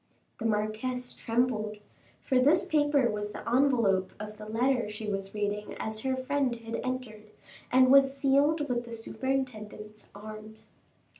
The marquise trembled, for this paper was the envelope of the letter she was reading as her friend had entered, and was sealed with the superintendent's arms.